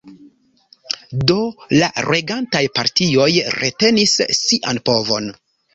Do la regantaj partioj retenis sian povon.